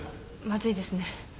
まずいですね。